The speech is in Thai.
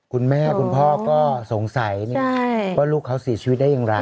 คุณแม่คุณพ่อก็สงสัยใช่ว่าลูกเขาสีชีวิตได้อย่างไร